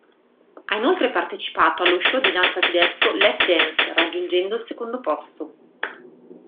Ha inoltre partecipato allo show di danza tedesco "Let Dance," raggiungendo il secondo posto.